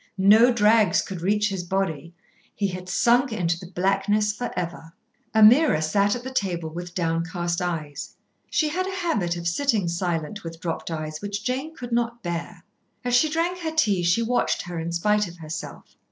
No drags could reach his body. He had sunk into the blackness for ever. Ameerah sat at the table with downcast eyes. She had a habit of sitting silent with dropped eyes, which Jane could not bear. As she drank her tea she watched her in spite of herself.